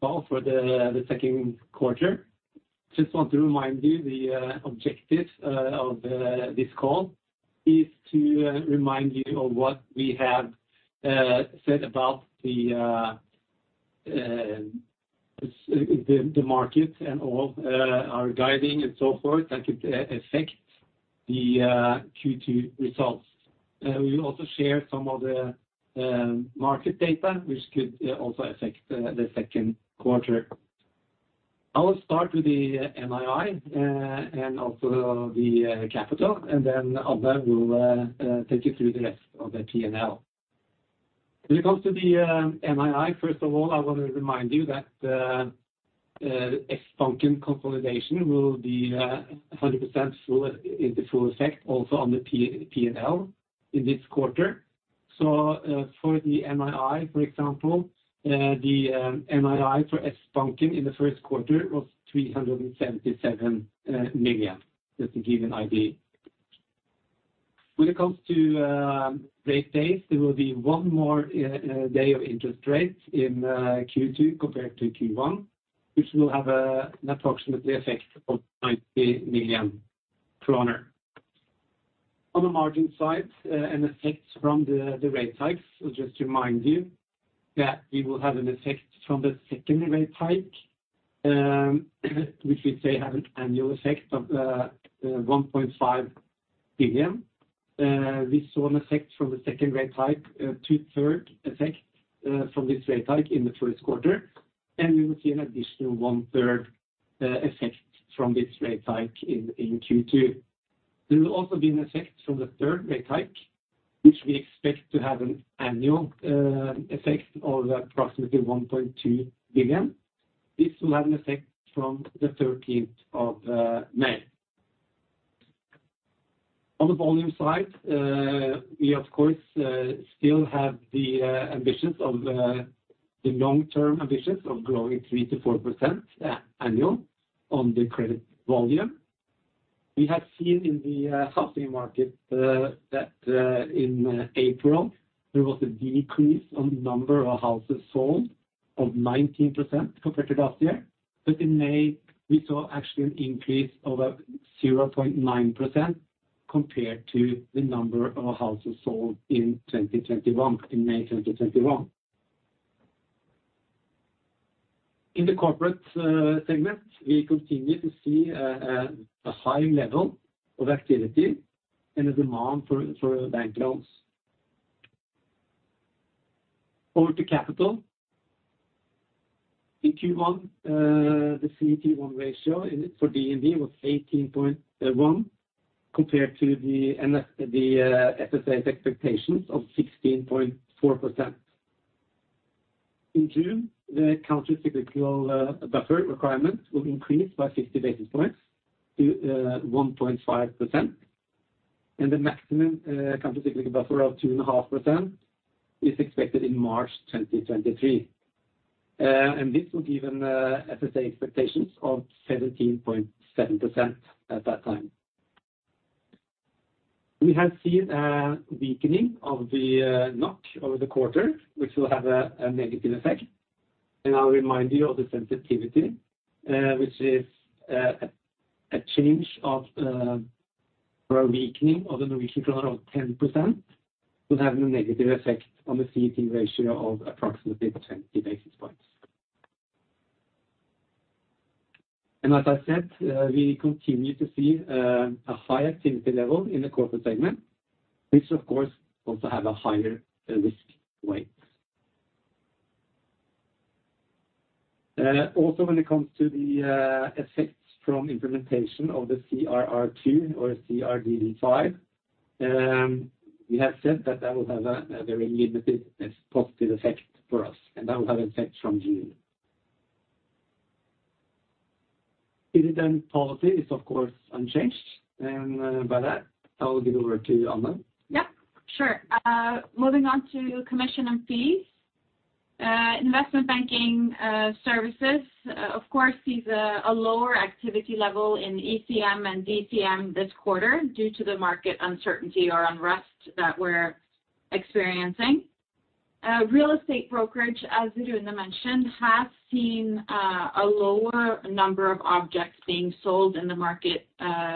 Well, for the second quarter, just want to remind you the objective of this call is to remind you of what we have said about the market and all our guiding and so forth that could affect the Q2 results. We will also share some of the market data which could also affect the second quarter. I will start with the NII and also the capital, and then Ida will take you through the rest of the P&L. When it comes to the NII, first of all, I want to remind you that the Sbanken consolidation will be 100% full effect also on the P&L in this quarter. For the NII, for example, the NII for Sbanken in the first quarter was 377 million, just to give you an idea. When it comes to rate days, there will be one more day of interest rates in Q2 compared to Q1, which will have an approximate effect of 90 million kroner. On the margin side, an effect from the rate hikes, I'll just remind you that we will have an effect from the second rate hike, which we say have an annual effect of 1.5 billion. We saw an effect from the second-rate hike, two-thirds effect from this rate hike in the first quarter, and we will see an additional one-third effect from this rate hike in Q2. There will also be an effect from the third rate hike, which we expect to have an annual effect of approximately 1.2 billion. This will have an effect from the thirteenth of May. On the volume side, we of course still have the ambitions of the long-term ambitions of growing 3%-4% annual on the credit volume. We have seen in the housing market that in April there was a decrease on the number of houses sold of 19% compared to last year. In May, we saw actually an increase of 0.9% compared to the number of houses sold in 2021, in May 2021. In the corporate segment, we continue to see a high level of activity and a demand for bank loans. Over to capital. In Q1, the CET1 ratio for DNB was 18.1 compared to the FSA's expectations of 16.4%. In June, the countercyclical buffer requirement will increase by 50 basis points to 1.5%, and the maximum countercyclical buffer of 2.5% is expected in March 2023. This will give FSA expectations of 17.7% at that time. We have seen a weakening of the NOK over the quarter, which will have a negative effect, and I'll remind you of the sensitivity, which is a change of or a weakening of the Norwegian kroner of 10% will have a negative effect on the CET ratio of approximately 20 basis points. As I said, we continue to see a high activity level in the corporate segment, which of course also have a higher risk weight. Also when it comes to the effects from implementation of the CRR2 or CRD5, we have said that that will have a very limited positive effect for us, and that will have effect from June. Dividend policy is of course unchanged, and by that, I will give over to Ida Lerner. Yeah, sure. Moving on to commission and fees. Investment banking services, of course, sees a lower activity level in ECM and DCM this quarter due to the market uncertainty or unrest that we're experiencing. Real estate brokerage, as Rune mentioned, has seen a lower number of objects being sold in the market,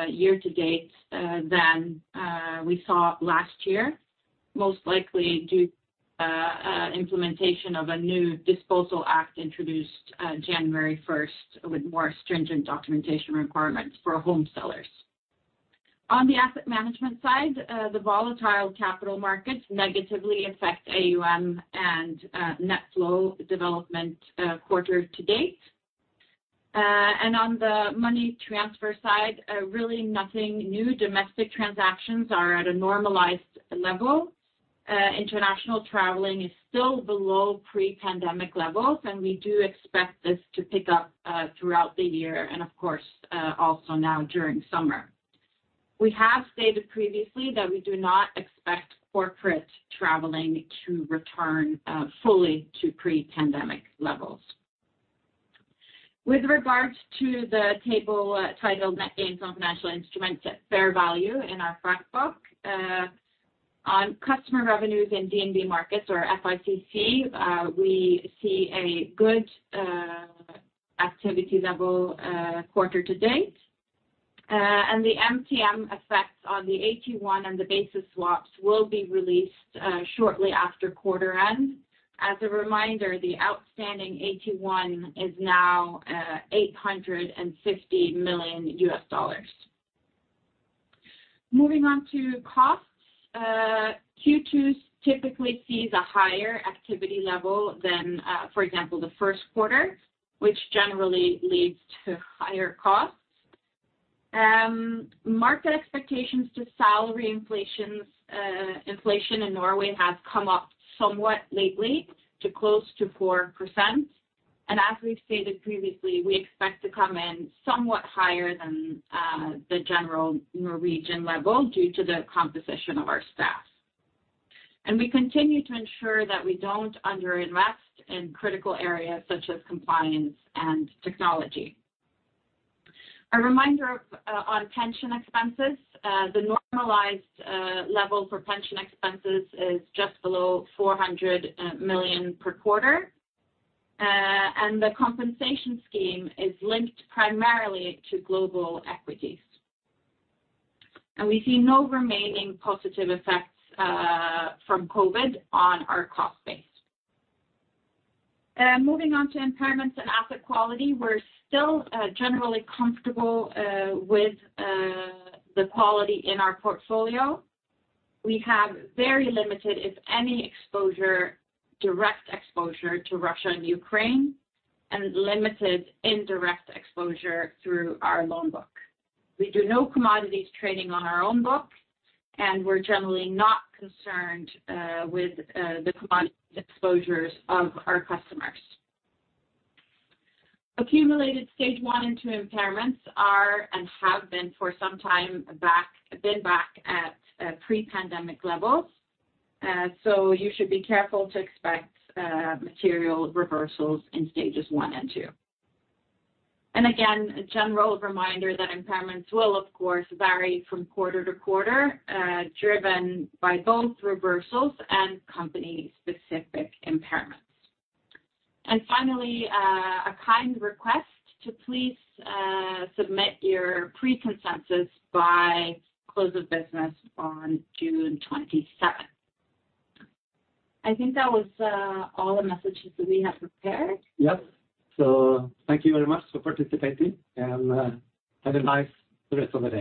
year to date, than we saw last year, most likely due to implementation of a new disposal act introduced January first with more stringent documentation requirements for home sellers. On the asset management side, the volatile capital markets negatively affect AUM and net flow development, quarter to date. On the money transfer side, really nothing new. Domestic transactions are at a normalized level. International traveling is still below pre-pandemic levels, and we do expect this to pick up throughout the year and of course also now during summer. We have stated previously that we do not expect corporate traveling to return fully to pre-pandemic levels. With regards to the table titled Net gains on financial instruments at fair value in our front book on customer revenues in DNB Markets or FICC, we see a good activity level quarter to date. The MTM effects on the AT1 and the basis swaps will be released shortly after quarter end. As a reminder, the outstanding AT1 is now $850 million. Moving on to costs. Q2 typically sees a higher activity level than, for example, the first quarter, which generally leads to higher costs. Market expectations for inflation in Norway has come up somewhat lately to close to 4%. As we've stated previously, we expect to come in somewhat higher than the general Norwegian level due to the composition of our staff. We continue to ensure that we don't underinvest in critical areas such as compliance and technology. A reminder on pension expenses. The normalized level for pension expenses is just below 400 million per quarter. The compensation scheme is linked primarily to global equities. We see no remaining positive effects from COVID on our cost base. Moving on to impairments and asset quality. We're still generally comfortable with the quality in our portfolio. We have very limited, if any, exposure, direct exposure to Russia and Ukraine, and limited indirect exposure through our loan book. We do no commodities trading on our own book, and we're generally not concerned with the commodity exposures of our customers. Accumulated Stage 1 and 2 impairments are and have been for some time back at pre-pandemic levels. You should be careful to expect material reversals in Stages 1 and 2. Again, a general reminder that impairments will, of course, vary from quarter to quarter, driven by both reversals and company-specific impairments. Finally, a kind request to please submit your pre-consensus by close of business on June 27. I think that was all the messages that we have prepared. Yes. Thank you very much for participating and have a nice rest of the day.